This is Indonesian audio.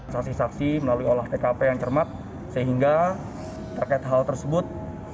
saksi saksi melalui olah tkp yang cermat sehingga terkait hal tersebut